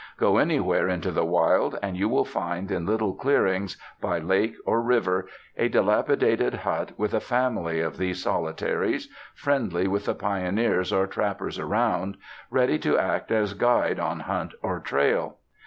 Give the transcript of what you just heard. Go anywhere into the wild, and you will find in little clearings, by lake or river, a dilapidated hut with a family of these solitaries, friendly with the pioneers or trappers around, ready to act as guide on hunt or trail.